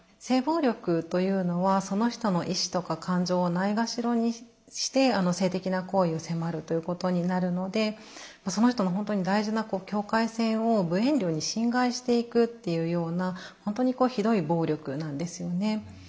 性暴力というのはその人の意思とか感情をないがしろにして性的な行為を迫るということになるのでその人の本当に大事な境界線を無遠慮に侵害していくっていうような本当にひどい暴力なんですよね。